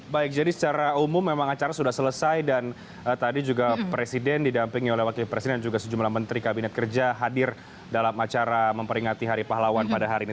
baik jadi secara umum memang acara sudah selesai dan tadi juga presiden didampingi oleh wakil presiden juga sejumlah menteri kabinet kerja hadir dalam acara memperingati hari pahlawan pada hari ini